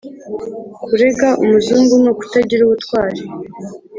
kurega umuzungu ni ukutagira ubutwari